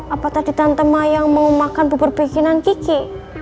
apa tadi tante mayang mau makan bubur bikinan kiki